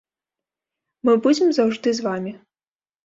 Мы будзем заўжды з вамі.